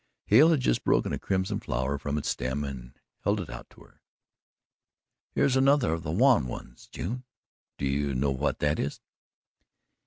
Hale had just broken a crimson flower from its stem and held it out to her. "Here's another of the 'wan ones,' June. Do you know what that is?"